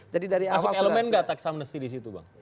masuk elemen nggak teks amnesti di situ bang